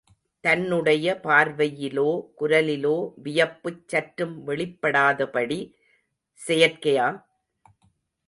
தன்னுடைய பார்வையிலோ, குரலிலோ வியப்புச் சற்றும் வெளிப்படாதபடி, செயற்கையா?